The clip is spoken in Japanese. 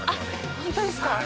本当ですか？